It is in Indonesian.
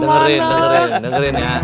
dengerin dengerin ya